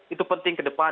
itu penting ke depan